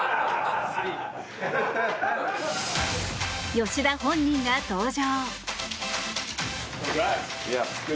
吉田本人が登場！